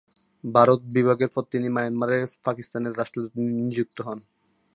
ভারত বিভাগের পর তিনি মিয়ানমারে পাকিস্তানের রাষ্ট্রদূত নিযুক্ত হন।